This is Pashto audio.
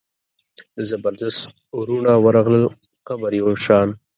د زبردست وروڼه ورغلل قبر یې وشان.